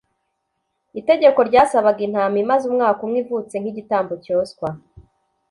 , itegeko ryasabaga intama imaze umwaka umwe ivutse nk’igitambo cyoswa